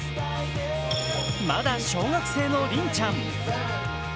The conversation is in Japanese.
まだ小学生のリンちゃん。